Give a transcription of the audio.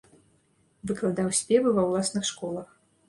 Выкладаў спевы ва ўласных школах.